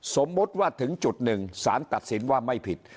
สมมุติว่าถึงจุดหนึ่งสารตัดสินว่าไม่ผิด